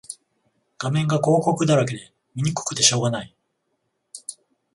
画面が広告だらけで見にくくてしょうがない